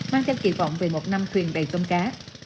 mang theo kỳ vọng về một năm thuyền đầy con cá